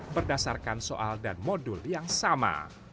berdasarkan soal dan modul yang sama